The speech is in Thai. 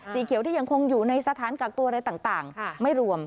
สีเขียวที่ยังคงอยู่ในสถานกักตัวอะไรต่างไม่รวม